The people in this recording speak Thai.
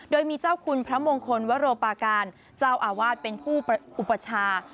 โดยมีเจ้าคุณพระมงคลวโรปาการเจ้าอาวาสเป็นผู้อุปชา